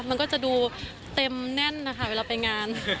มันก็จะดูเต็มแน่นนะคะเวลาไปงาน